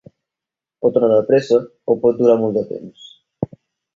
Pot anar de pressa o pot durar molt de temps.